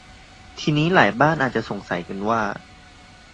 ทีนี้หลายบ้านอาจจะสงสัยกันว่า